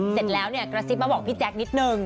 เสร็จแล้วเนี่ยกระซิบมาบอกพี่แจ๊คนิดนึง